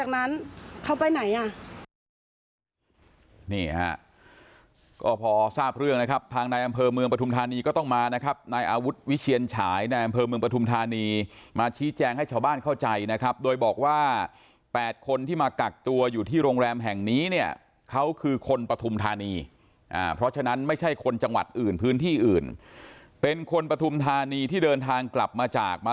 จากนั้นเขาไปไหนอ่ะนี่ฮะก็พอทราบเรื่องนะครับทางนายอำเภอเมืองปฐุมธานีก็ต้องมานะครับนายอาวุธวิเชียนฉายในอำเภอเมืองปฐุมธานีมาชี้แจงให้ชาวบ้านเข้าใจนะครับโดยบอกว่า๘คนที่มากักตัวอยู่ที่โรงแรมแห่งนี้เนี่ยเขาคือคนปฐุมธานีเพราะฉะนั้นไม่ใช่คนจังหวัดอื่นพื้นที่อื่นเป็นคนปฐุมธานีที่เดินทางกลับมาจากมา